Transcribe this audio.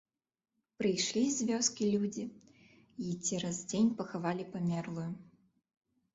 Прыйшлі з вёскі людзі і цераз дзень пахавалі памерлую.